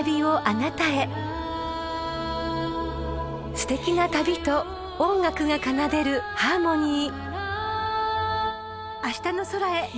［すてきな旅と音楽が奏でるハーモニー］